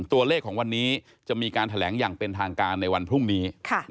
ตัวเลขของวันนี้จะมีการแถลงอย่างเป็นทางการในวันพรุ่งนี้